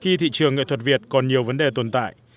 khi thị trường nghệ thuật việt còn nhiều vấn đề tồn tại